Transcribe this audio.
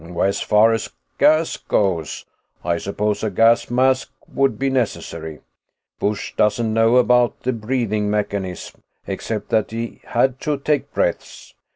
As far as gas goes, I suppose a gas mask would be necessary. Busch doesn't know about the breathing mechanism, except that he had to take breaths.